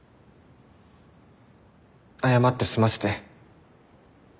謝って済ませて。